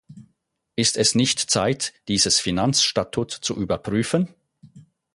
Ist es nicht Zeit, dieses Finanzstatut zu überprüfen?